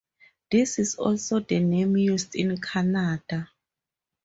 This is also the name used in Canada.